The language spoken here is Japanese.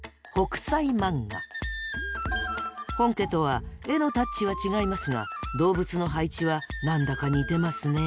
本家とは絵のタッチは違いますが動物の配置は何だか似てますね。